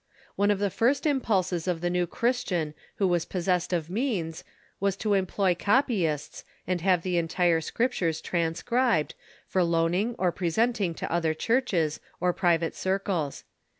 One of the first impulses of the new Christian who was pos sessed of means Avas to employ copyists and have the entire Scriptures transcribed, for loaning or presenting to either churches or private circles.